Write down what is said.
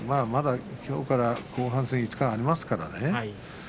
まだ、きょうから後半戦５日ありますからね。